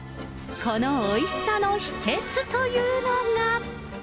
このおいしさの秘けつというのが。